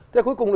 thế cuối cùng